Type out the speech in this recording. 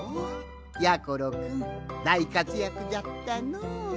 やころくんだいかつやくじゃったのう。